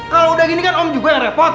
kalau udah gini kan om juga repot